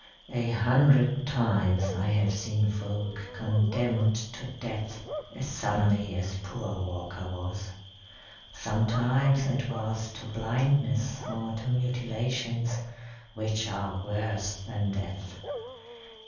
A hundred times I have seen folk condemned to death as suddenly as poor Walker was. Sometimes it was to blindness or to mutilations which are worse than death.